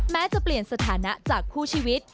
แม้จะเปลี่ยนสถานะจากคู่ชีวิต